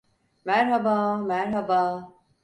Merhaba, merhaba!